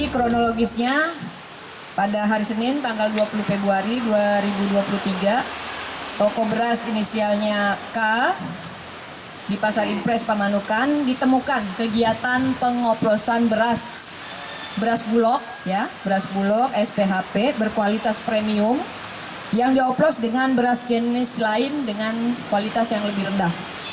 kronologisnya pada hari senin tanggal dua puluh februari dua ribu dua puluh tiga toko beras inisialnya k di pasar impres pamanukan ditemukan kegiatan pengoklosan beras bulog sphp berkualitas premium yang dioklos dengan beras jenis lain dengan kualitas yang lebih rendah